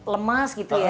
lemas gitu ya